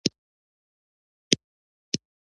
د اوبو ډیپلوماسي فعاله ده؟